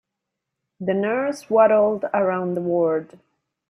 The nurse waddled around the ward.